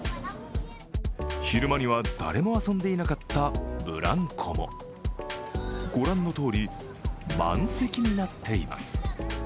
昼間には誰も遊んでいなかったブランコもご覧のとおり、満席になっています。